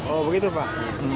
oh begitu pak